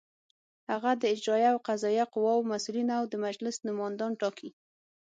هغه د اجرائیه او قضائیه قواوو مسؤلین او د مجلس نوماندان ټاکي.